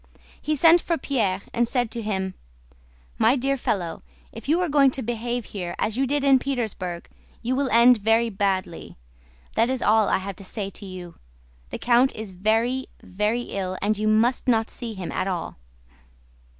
He sent for Pierre and said to him: "My dear fellow, if you are going to behave here as you did in Petersburg, you will end very badly; that is all I have to say to you. The count is very, very ill, and you must not see him at all."